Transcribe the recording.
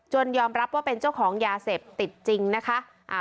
ยอมรับว่าเป็นเจ้าของยาเสพติดจริงนะคะอ่า